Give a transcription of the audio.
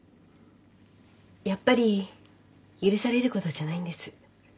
やっぱり許されることじゃないんです。